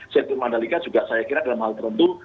sipil mandalika juga saya kira dalam hal terentu